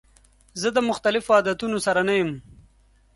زه د مختلفو عادتونو سره نه یم.